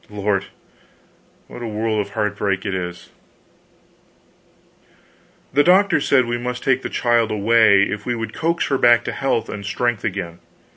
Lord, what a world of heart break it is. The doctors said we must take the child away, if we would coax her back to health and strength again.